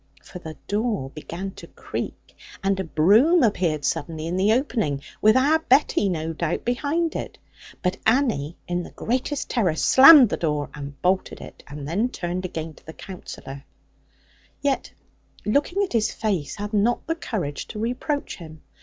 For the door began to creak, and a broom appeared suddenly in the opening, with our Betty, no doubt, behind it. But Annie, in the greatest terror, slammed the door, and bolted it, and then turned again to the Counsellor; yet looking at his face, had not the courage to reproach him.